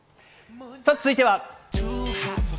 続いては。